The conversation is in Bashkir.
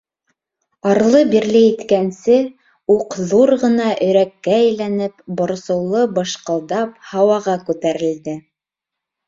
Арлы-бирле иткәнсе, уҡ, ҙур ғына өйрәккә әйләнеп, борсоулы быжҡылдап, һауаға күтәрелде.